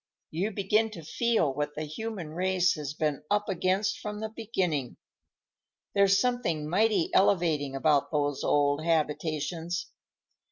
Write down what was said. You begin to feel what the human race has been up against from the beginning. There's something mighty elevating about those old habitations.